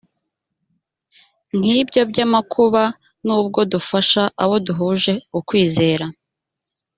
nk ibyo by amakuba nubwo dufasha abo duhuje ukwizera